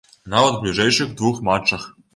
Нават у бліжэйшых двух матчах.